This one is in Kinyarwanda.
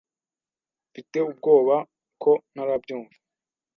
Mfite ubwoba ko ntarabyumva.